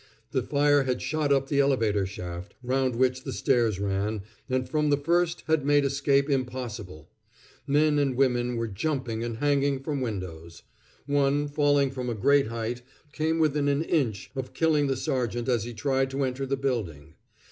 The fire had shot up the elevator shaft, round which the stairs ran, and from the first had made escape impossible. Men and women were jumping and hanging from windows. One, falling from a great height, came within an inch of killing the sergeant as he tried to enter the building.